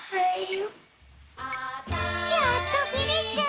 やっとフィニッシュ！